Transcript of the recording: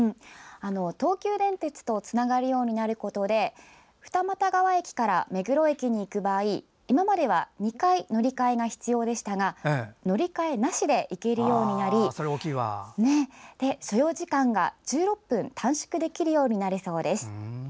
東急電鉄とつながるようになることで二俣川駅から目黒駅に行く場合今までは２回乗り換えが必要でしたが乗り換えなしで行けるようになり所要時間が１６分短縮できるようになるそうです。